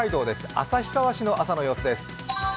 旭川市の朝の様子です。